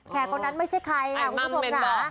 คนนั้นไม่ใช่ใครค่ะคุณผู้ชมค่ะ